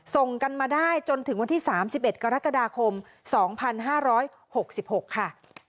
ส่งกันมาได้จนถึงวันที่๓๑กรกฎาคม๒๕๖๖ค่ะ